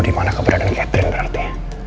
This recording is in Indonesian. dimana keberadaan catherine berarti